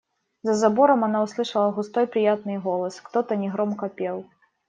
За забором она услышала густой приятный голос: кто-то негромко пел.